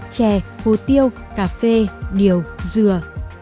chè hô tiêu cà phê điều dừa